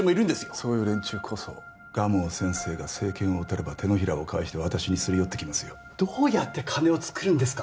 そういう連中こそ蒲生先生が政権をとれば手のひらを返して私にすり寄ってきますよどうやって金をつくるんですか